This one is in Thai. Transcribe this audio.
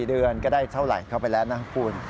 เดือนก็ได้เท่าไหร่เข้าไปแล้วนะคุณ